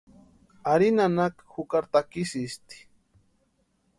Ari nanaka jukari takisïsti.